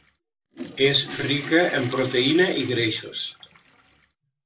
És rica en proteïna i greixos.